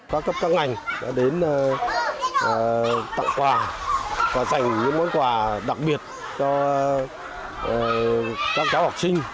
các cấp các ngành đã đến tặng quà và dành những món quà đặc biệt cho các cháu học sinh